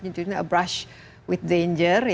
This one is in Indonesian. yaitu a brush with danger